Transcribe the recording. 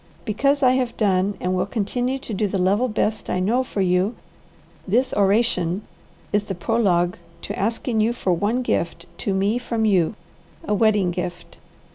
Because I have done and will continue to do the level best I know for you, this oration is the prologue to asking you for one gift to me from you, a wedding gift.